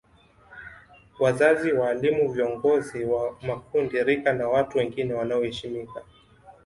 Wazazi waalimu viongizi wa makundi rika na watu wengine wanaoheshimika